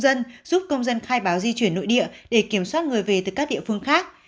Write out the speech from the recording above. dân giúp công dân khai báo di chuyển nội địa để kiểm soát người về từ các địa phương khác